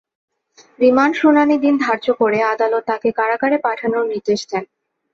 Remand শুনানির দিন ধার্য করে আদালত তাঁকে কারাগারে পাঠানোর নির্দেশ দেন।